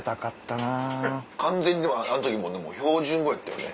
完全にでもあの時標準語やったよね。